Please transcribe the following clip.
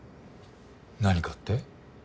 何かって？